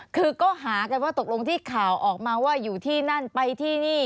คือก็หากันว่าตกลงที่ข่าวออกมาว่าอยู่ที่นั่นไปที่นี่